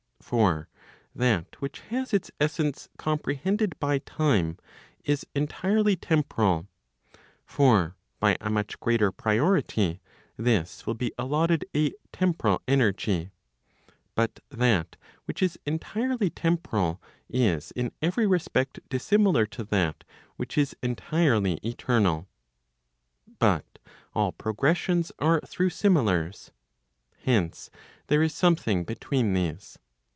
For that which has its essence comprehended by time, is entirely temporal. For by a much greater priority, this will be allotted a temporal energy. But that which is entirely temporal, is in every respect dissimilar to that which is entirely eternal. But all progressions are through similars. Hence there is something between these.